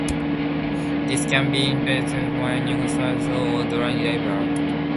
This can be interpreted as meaning "sharp rock" or "dry river".